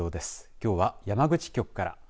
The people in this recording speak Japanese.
きょうは山口局から。